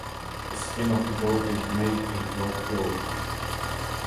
The skin of the goat is made into a cloak.